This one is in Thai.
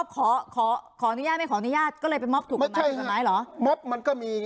ขอขอขออนุญาตไม่ขออนุญาตก็เลยเป็นม็อบถูกกฎหมายหรอม็อบมันก็มี